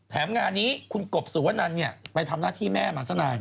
แถมงานนี้คุณกบสุวนันเนี่ยไปทำหน้าที่แม่มาสนาย